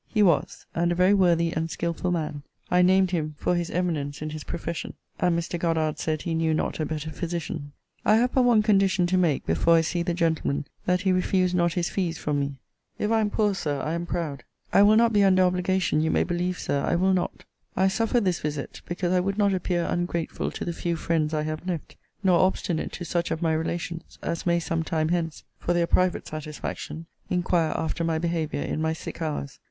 He was; and a very worthy and skilful man. I named him for his eminence in his profession: and Mr. Goddard said he knew not a better physician. I have but one condition to make before I see the gentleman; that he refuse not his fees from me. If I am poor, Sir, I am proud. I will not be under obligation, you may believe, Sir, I will not. I suffer this visit, because I would not appear ungrateful to the few friends I have left, nor obstinate to such of my relations, as may some time hence, for their private satisfaction, inquire after my behaviour in my sick hours.